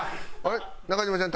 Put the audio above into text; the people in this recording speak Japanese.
中島ちゃん